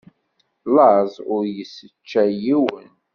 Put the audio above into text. Laẓ ur yesseččay yiwen.